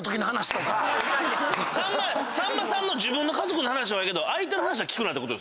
自分の家族の話はええけど相手の話は聞くなってこと？